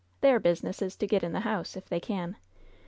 Their business is to get in the house — if they can.